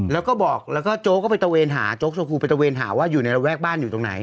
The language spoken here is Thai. แล้วก็บอกแล้วก็โจ๊กก็ไปตะเวนหาโจ๊กชมพูไปตะเวนหาว่าอยู่ในระแวกบ้านอยู่ตรงไหน